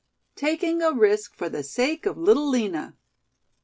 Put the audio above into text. TAKING A RISK FOR THE SAKE OF LITTLE LINA.